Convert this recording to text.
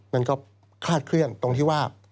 มันก็คลาดเคลื่อนตรงที่ว่า